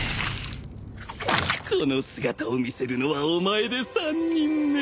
この姿を見せるのはお前で３人目。